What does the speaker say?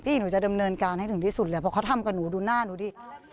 หนูจะดำเนินการให้ถึงที่สุดเลยเพราะเขาทำกับหนูดูหน้าหนูดิ